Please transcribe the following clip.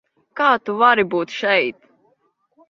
Kā tu vari būt šeit?